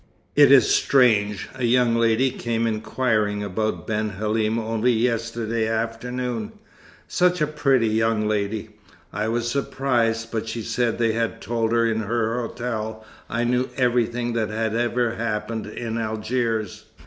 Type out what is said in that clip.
It is strange, a young lady came inquiring about Ben Halim only yesterday afternoon; such a pretty young lady. I was surprised, but she said they had told her in her hotel I knew everything that had ever happened in Algiers.